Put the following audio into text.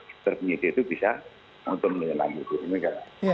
supaya penyidik itu bisa menuntun menilai musim ini